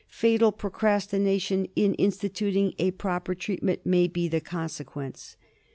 Fatal pro crastination in instituting a proper treatment may be the consequence.